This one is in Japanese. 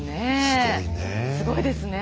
すごいですね。